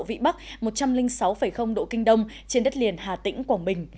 vị bắc một trăm linh sáu độ kinh đông trên đất liền hà tĩnh quảng bình